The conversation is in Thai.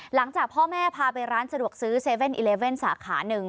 หลังจากพ่อแม่พาไปร้านสะดวกซื้อ๗๑๑สาขาหนึ่ง